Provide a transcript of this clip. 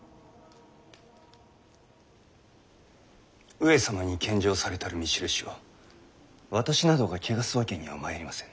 上様に献上されたる御首級を私などが汚すわけにはまいりませぬ。